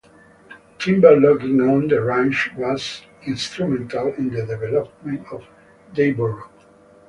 Timber logging on the range was instrumental in the development of Dayboro.